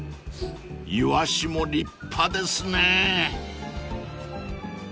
［イワシも立派ですね］